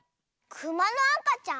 クマのあかちゃん？